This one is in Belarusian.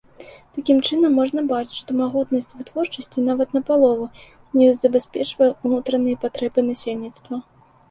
Такім чынам, можна бачыць, што магутнасць вытворчасці нават напалову не забяспечвае ўнутраныя патрэбы насельніцтва.